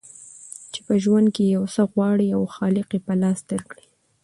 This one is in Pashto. چي په ژوند کي یو څه غواړې او خالق یې په لاس درکي